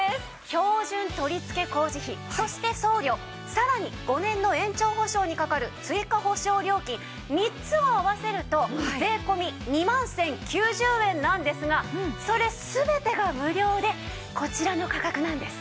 標準取付工事費そして送料さらに５年の延長保証にかかる追加保証料金３つを合わせると税込２万１０９０円なんですがそれ全てが無料でこちらの価格なんです。